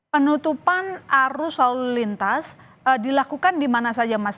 penutupan arus lalu lintas dilakukan di mana saja mas